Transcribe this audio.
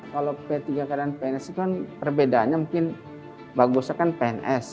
kalau p tiga k dan pns itu kan perbedaannya mungkin bagusnya kan pns